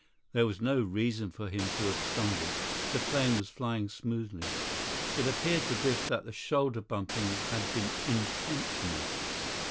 There was no reason for him to have stumbled. The plane was flying smoothly. It appeared to Biff that the shoulder bumping had been intentional.